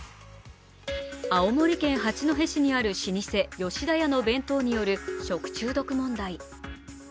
青森県八戸市にある老舗、吉田屋の弁当による食中毒問題。